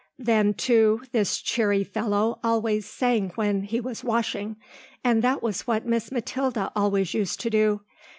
Then, too, this cheery fellow always sang when he was washing, and that was what Miss Mathilda always used to do.